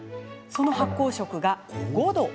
その発酵食が、ごど。